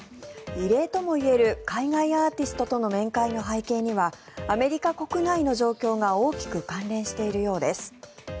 異例ともいえる海外アーティストとの面会の背景にはアメリカ国内の状況が大きく関連しているようです。